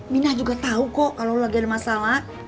minah juga tau kok kalau lo lagi ada masalah